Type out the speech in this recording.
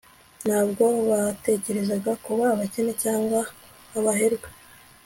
ntabwo batekereza kuba abakene cyangwa abaherwe